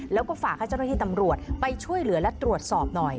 แล้วก็ฝากให้เจ้าหน้าที่ตำรวจไปช่วยเหลือและตรวจสอบหน่อย